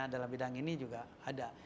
dalam bidang ini juga ada